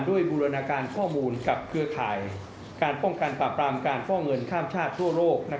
บูรณาการข้อมูลกับเครือข่ายการป้องกันปราบรามการฟอกเงินข้ามชาติทั่วโลก